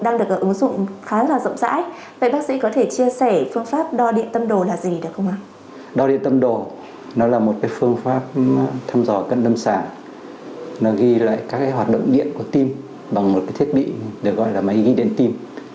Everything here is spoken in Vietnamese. nó ghi lại các hoạt động điện của tim bằng một thiết bị được gọi là máy ghi điện tim